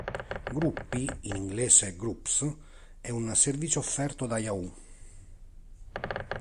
Gruppi, in inglese Groups, è un servizio offerto da Yahoo!